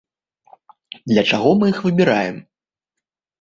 Для чаго мы іх выбіраем?